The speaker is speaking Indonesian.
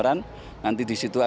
pertama kita memiliki link kemajoran